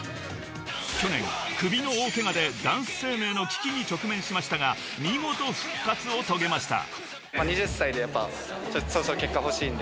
［去年首の大ケガでダンス生命の危機に直面しましたが見事復活を遂げました］